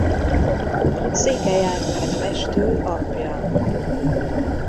Székely Árpád festő apja.